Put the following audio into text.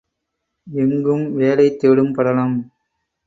எங்கும் வேலை தேடும் படலம்!